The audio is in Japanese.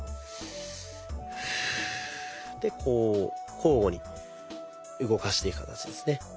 でこう交互に動かしていく形ですね。